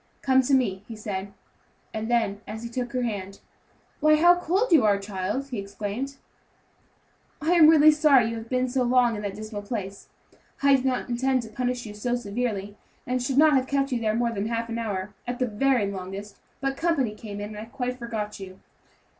"Come to me," he said; and then, as he took her hand, "Why, how cold you are, child," he exclaimed; "I am really sorry you have been so long in that dismal place. I did not intend to punish you so severely, and should not have kept you there more than half an hour, at the very longest; but company came in, and I quite forgot you."